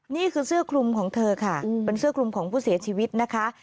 นี่คือเสื้อคลุมของเธอค่ะเป็นเสื้อคลุมของผู้เสียชีวิตนะคะ